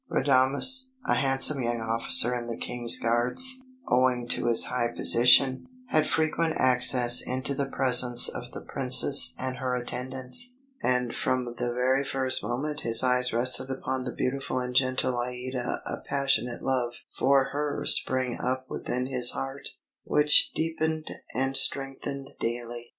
Radames, a handsome young officer in the King's Guards, owing to his high position, had frequent access into the presence of the Princess and her attendants; and from the very first moment his eyes rested upon the beautiful and gentle Aïda a passionate love for her sprang up within his heart, which deepened and strengthened daily.